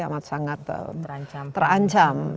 amat sangat terancam